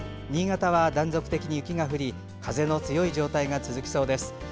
新潟は断続的に雪が降り風の強い状態が続きそうです。